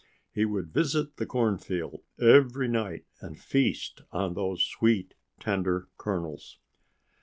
He would visit the cornfield every night and feast on those sweet, tender kernels.